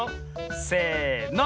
せの。